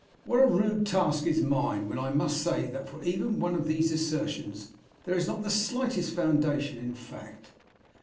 "'What a rude task is mine when I must say that for even one of these assertions there is not the slightest foundation in fact.